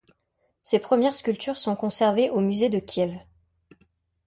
Ses premières sculptures sont conservées au musée de Kiev.